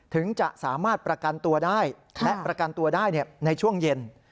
ถึงจะสามารถประกันตัวได้และประกันตัวได้ในช่วงเย็น